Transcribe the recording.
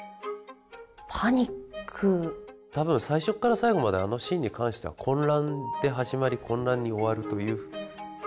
多分最初から最後まであのシーンに関しては混乱で始まり混乱に終わるという。